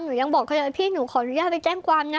หนูยังบอกเธอเลยพี่หนูขออนุญาตไปแจ้งความนะ